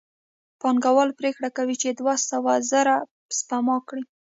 پانګوال پرېکړه کوي چې دوه سوه زره سپما کړي